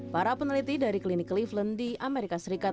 para peneliti dari klinik kliflen di amerika serikat